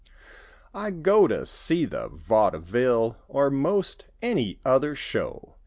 I go to see the vaud ville; Or most any other show.